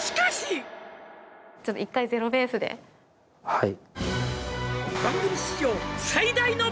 ちょっと一回ゼロベースではい